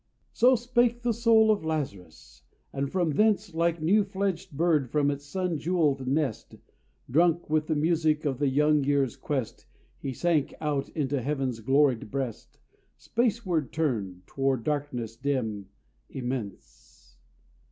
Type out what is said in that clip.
So spake the soul of Lazarus, and from thence, Like new fledged bird from its sun jewelled nest, Drunk with the music of the young year's quest, He sank out into heaven's gloried breast, Spaceward turned, toward darkness dim, immense.